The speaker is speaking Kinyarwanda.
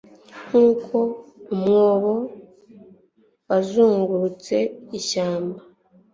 nkuko umwobo wazungurutse ishyamba